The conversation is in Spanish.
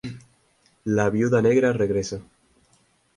La viuda negra regresa.